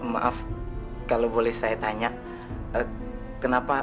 maaf kalau boleh saya tanya kenapa